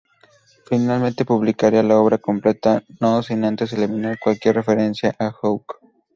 Finalmente, publicaría la obra completa, no sin antes eliminar cualquier referencia a Hooke.